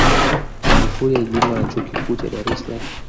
Magufuli alijiunga na Chuo Kikuu cha Dar es Salaam